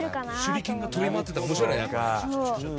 手裏剣が飛び回ってたら面白いよね。